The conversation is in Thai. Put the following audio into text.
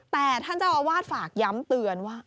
แต่ท่านเจ้าอาวาสฝากย้ำเตือนว่า